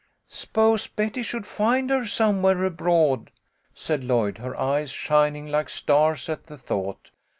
" S'pose Betty should find her somewhere abroad," said Lloyd, her eyes shining like stars at the thought.